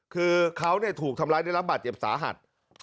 คือเขาถูกทำร้ายได้รับบาดเจ็บสาหัส